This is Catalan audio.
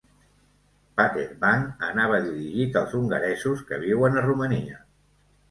Pater Bank anava dirigit als hongaresos que viuen a Romania.